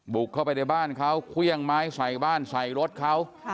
บุกเข้าไปในบ้านเขาเครื่องไม้ใส่บ้านใส่รถเขา